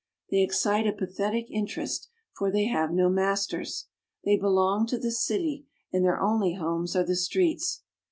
They excite a pathetic interest, for they have no masters. They belong to the city and their only homes are the streets.